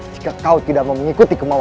jika kau tidak mau mengikuti kemauan